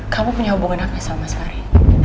kamu punya hubungan anaknya sama sekali